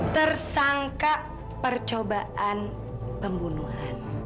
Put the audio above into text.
tersangka percobaan pembunuhan